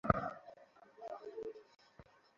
আমরা অনেক কিছুর মুখোমুখি হয়েছি।